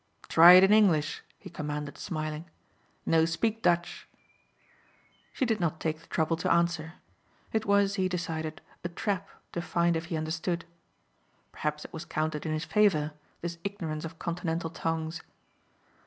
"Try it in English," he commanded smiling. "No speak Dutch." She did not take the trouble to answer. It was, he decided, a trap to find if he understood. Perhaps it was counted in his favor, this ignorance of continental tongues.